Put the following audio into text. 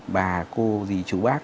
bà cô gì chú bác